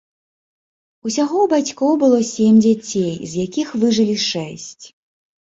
Усяго ў бацькоў было сем дзяцей, з якіх выжылі шэсць.